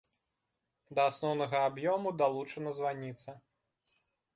Да асноўнага аб'ёму далучана званіца.